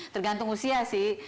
tergantung usia sih